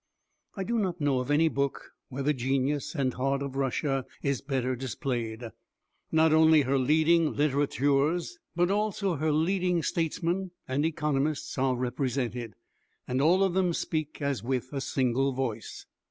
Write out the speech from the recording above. I do not know of any book where the genius and heart of Russia is better displayed. Not only her leading litterateurs but also her leading statesmen and economists are represented and all of them speak as with a single voice.